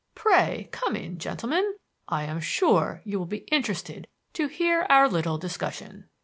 Pray, come in, gentlemen. I am sure you will be interested to hear our little discussion."